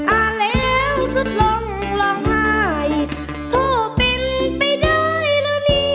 อ่านแล้วสุดลงร้องไห้ก็เป็นไปได้แล้วนี่